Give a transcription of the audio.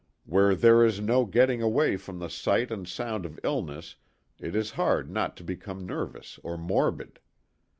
Where there is no getting away from the sight and sound of illness it is hard not to become nervous or morbid.